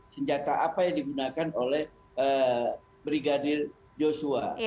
senjata apa yang digunakan oleh brigadir joshua